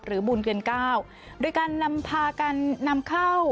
บุญเดือนเก้าโดยการนำพากันนำเข้า